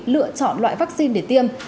lựa chọn loại vaccine để tiêm